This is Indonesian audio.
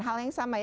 hal yang sama ya